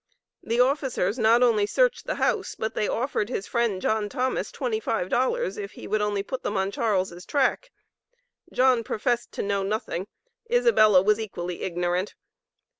The officers not only searched the house, but they offered his friend John Thomas $25 if he would only put them on Charles' track. John professed to know nothing; Isabella was equally ignorant.